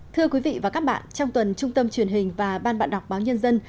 thưa quý vị và các bạn trong tuần trung tâm truyền hình và ban bạn đọc báo nhân dân